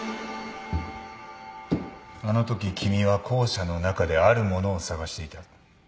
あのとき君は校舎の中であるものを探していた。